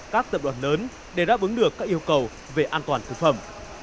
các tập đoàn lớn để đáp ứng được các yêu cầu về an toàn thực phẩm